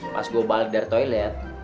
pas gua balik dari toilet